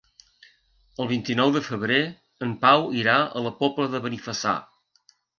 El vint-i-nou de febrer en Pau irà a la Pobla de Benifassà.